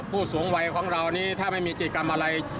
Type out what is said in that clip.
ผู้สูงวัยของเรานี้ถ้าไม่มีกิจกรรมอะไร